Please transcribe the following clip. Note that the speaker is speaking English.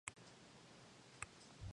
Stems are covered in thin grey bark.